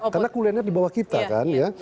karena kuliahnya di bawah kita kan